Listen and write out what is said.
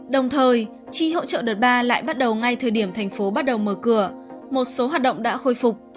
đồng thời chi hỗ trợ đợt ba lại bắt đầu ngay thời điểm thành phố bắt đầu mở cửa một số hoạt động đã khôi phục